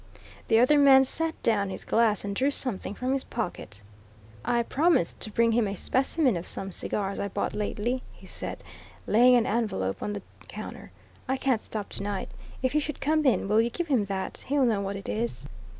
The other man sat down his glass and drew something from his pocket. "I promised to bring him a specimen of some cigars I bought lately," he said, laying an envelope on the counter. "I can't stop tonight. If he should come in, will you give him that he'll know what it is."